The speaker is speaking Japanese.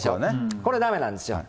これだめなんですよ。